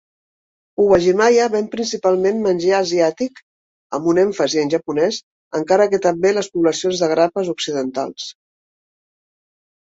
Uwajimaya ven principalment menjar asiàtic-amb un èmfasi en japonès-encara que també les poblacions de grapes occidentals.